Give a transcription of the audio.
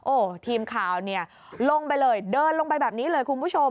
โอ้โหทีมข่าวเนี่ยลงไปเลยเดินลงไปแบบนี้เลยคุณผู้ชม